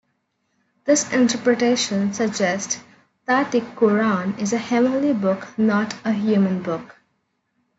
This interpretation suggests that the Qur'an is a heavenly book, not a human book.